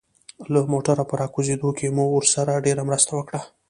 له موټره په راکوزېدو کې مو ورسره ډېره مرسته وکړه.